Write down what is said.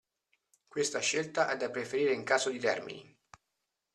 Questa scelta è da preferire in caso di termini.